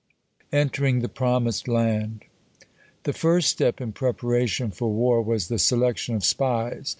(9) ENTERING THE PROMISED LAND The first step in preparation for war was the selection of spies.